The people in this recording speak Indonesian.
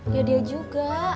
ya dia juga